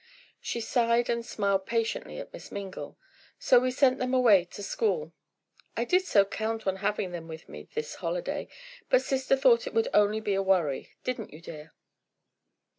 She sighed and smiled patiently at Miss Mingle. "So we sent them away to school. I did so count on having them with me this holiday, but sister thought it would only be a worry; didn't you, dear?"